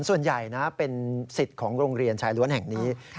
ส่วนใหญ่นะเป็นสิทธิ์ของโรงเรียนชายล้วนแห่งนี้